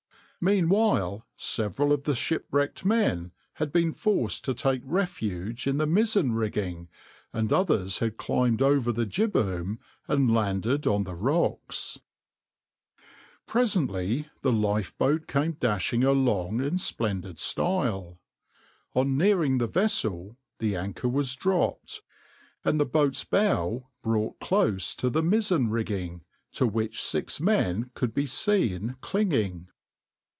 Meanwhile several of the shipwrecked men had been forced to take refuge in the mizzen rigging, and others had climbed over the jibboom and landed on the rocks.\par Presently the lifeboat came dashing along in splendid style. On nearing the vessel the anchor was dropped, and the boat's bow brought close to the mizzen rigging, to which six men could be seen clinging.